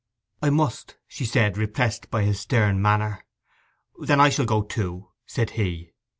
'I must,' she said, repressed by his stern manner. 'Then I shall go too,' said he.